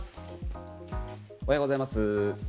おはようございます。